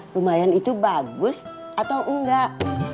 lumayan itu bagus atau enggak